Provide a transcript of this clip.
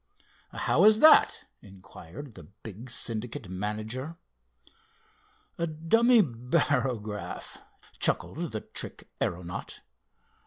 "How is that," inquired the big Syndicate manager. "A dummy barograph," chuckled the trick aeronaut.